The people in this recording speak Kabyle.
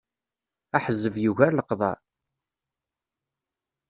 Aḥezzeb yugar leqḍeɛ.